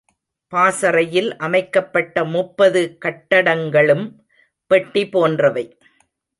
பாசறையில் அமைக்கப்பட்ட முப்பது கட்டடங் களும் பெட்டி போன்றவை.